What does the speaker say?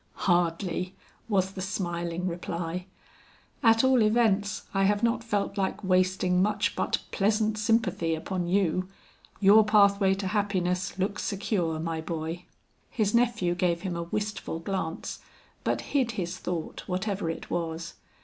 "Hardly," was the smiling reply. "At all events I have not felt like wasting much but pleasant sympathy upon you. Your pathway to happiness looks secure, my boy." His nephew gave him a wistful glance, but hid his thought whatever it was.